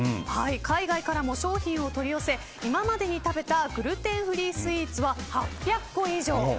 海外からも商品を取り寄せ今までに食べたグルテンフリースイーツは８００個以上。